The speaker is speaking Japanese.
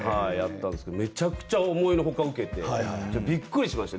めちゃくちゃ思いのほかウケてびっくりしました。